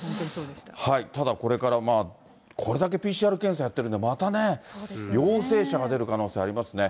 ただ、これからまあ、これだけＰＣＲ検査やってるんで、また陽性者が出る可能性ありますね。